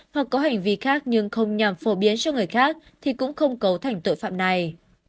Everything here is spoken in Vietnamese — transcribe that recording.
hoặc có hành vi khác nhưng không nhằm phổ biến cho người khác thì cũng không cấu thành tội phạm này